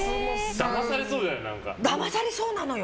だまされそうなのよ。